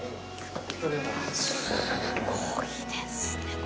すごいですねこれ。